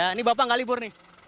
ini bapak nggak libur nih